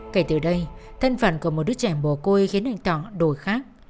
kể từ đây thân phần của một đứa trẻ bồ côi khiến anh thọ đổi khác